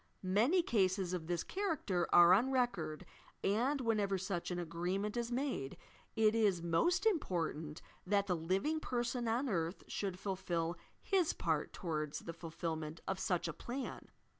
Many cases of this character are on record, and, whenever such an agreement is made, it is most important that the living person on earth should fulfil his part towards the fulflbnent of such a plan.